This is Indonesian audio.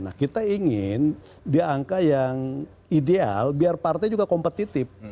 nah kita ingin di angka yang ideal biar partai juga kompetitif